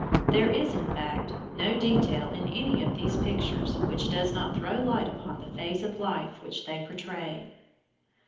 There is, in fact, no detail in any of these pictures which does not throw light upon the phase of life which they portray.